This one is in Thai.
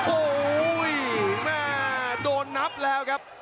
โอ้โหแม่โดนนับแล้วครับ